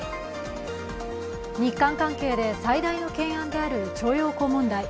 日韓関係で最大の懸案である徴用工問題。